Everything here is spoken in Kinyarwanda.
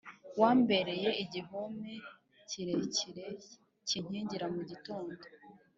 wambereye igihome kirekire kinkingira Mu gitondo